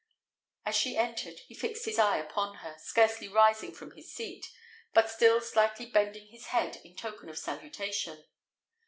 As she entered, he fixed his eye upon her, scarcely rising from his seat, but still slightly bending his head in token of salutation.